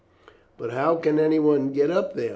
"But how can anyone get up there?